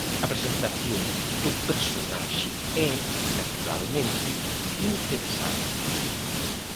A presentación do personaxe é, naturalmente, interesada.